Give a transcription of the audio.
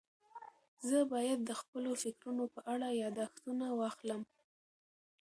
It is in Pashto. زه باید د خپلو فکرونو په اړه یاداښتونه واخلم.